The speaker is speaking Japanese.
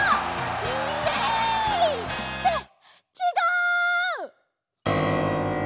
イエイ！ってちがう。